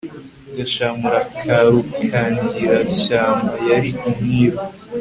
gashamura ka rukangirashyamba yari umwiru